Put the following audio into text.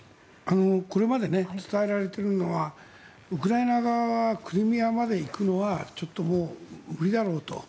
これまで伝えられているのはウクライナ側はクリミアまで行くのはちょっともう無理だろうと。